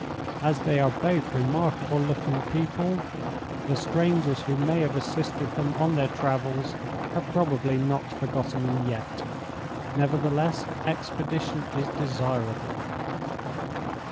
As they are both remarkable looking people, the strangers who may have assisted them on their travels have probably not forgotten them yet. Nevertheless, expedition is desirable.